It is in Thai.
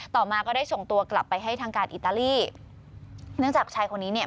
ต่อมาก็ได้ส่งตัวกลับไปให้ทางการอิตาลีเนื่องจากชายคนนี้เนี่ย